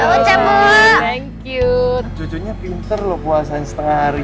emang kurang seru tadi